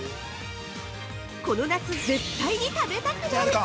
この夏、絶対に食べたくなる！